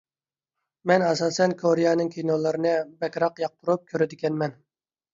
مەن ئاساسەن كورېيەنىڭ كىنولىرىنى بەكرەك ياقتۇرۇپ كۆرىدىكەنمەن.